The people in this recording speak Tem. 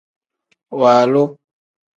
Waalu.